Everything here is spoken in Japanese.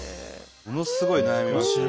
ものすごい悩みますよね。